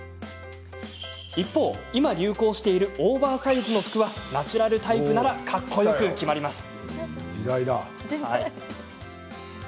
一方、今、流行しているオーバーサイズの服はナチュラルタイプならかっこよく決まります。